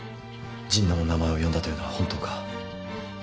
神野の名前を呼んだというのは本当か？